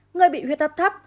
người bị huyết áp thấp